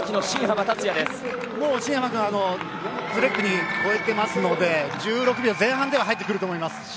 新濱君、もうズレックに超えていますので１６秒前半では入ってくると思います。